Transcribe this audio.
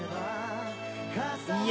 いや